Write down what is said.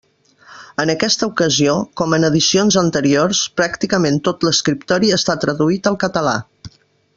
En aquesta ocasió, com en edicions anteriors, pràcticament tot l'escriptori està traduït al català.